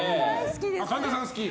神田さん、好き？